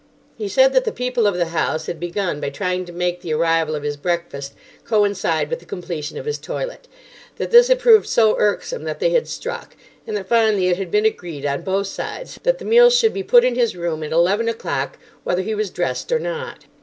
He said that the people of the house had begun by trying to make the arrival of his breakfast coincide with the completion of his toilet; that this had proved so irksome that they had struck; and that finally it had been agreed on both sides that the meal should be put in his room at eleven o'clock, whether he was dressed or not.